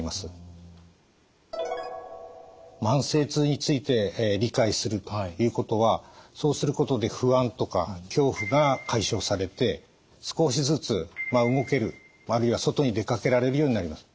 慢性痛について理解するということはそうすることで不安とか恐怖が解消されて少しずつ動けるあるいは外に出かけられるようになります。